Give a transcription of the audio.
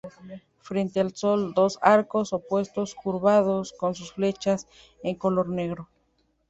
Frente al sol, dos arcos opuestos curvados, con sus flechas, en color negro.